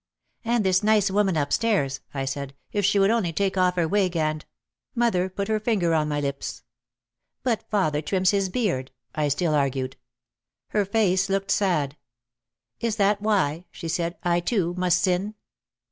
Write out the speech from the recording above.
"And this nice woman upstairs," I said "if she would only take off her wig and ." Mother put her finger on my lips. "But father trims his beard," I still argued. Her face 154 OUT OF THE SHADOW looked sad. "Is that why," she said, "I too must sin?"